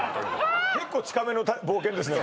結構近めの冒険ですね